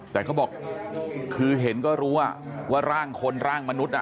แต่เขาบอกคือเห็นก็รู้ว่าร่างคนร่างมนุษย์